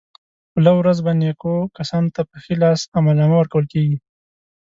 په لو ورځ به نېکو کسانو ته په ښي لاس عملنامه ورکول کېږي.